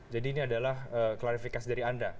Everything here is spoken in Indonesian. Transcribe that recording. jadi ini adalah klarifikasi dari anda